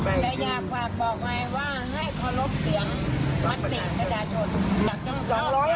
ประเทศนี้ไม่ใช่ของสว๒๕๐คุณค่ะ